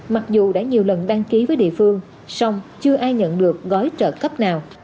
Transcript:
mặc dù đã nhiều lần đăng ký với địa phương song chưa ai nhận được gói trợ cấp nào